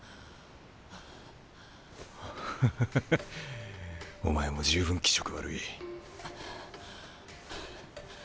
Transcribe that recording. ハハハお前も十分気色悪い。